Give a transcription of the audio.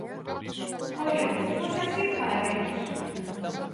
¡Oia!, se fose así, parabéns.